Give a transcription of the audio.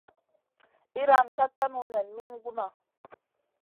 Iyran ka tanu nen min gunna.